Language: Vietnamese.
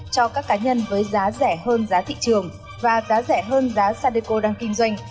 cho các cá nhân với giá rẻ hơn giá thị trường và giá rẻ hơn giá sadeco đang kinh doanh